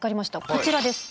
こちらです。